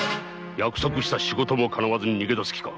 約束の仕事もかなわずに逃げ出す気か！